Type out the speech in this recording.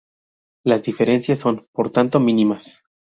Las diferencias son, por tanto, mínimas.